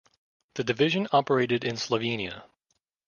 The division operated in Slovenia.